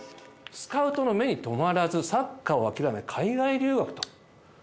スカウトの目に留まらず、サッカーを諦め、海外留学と。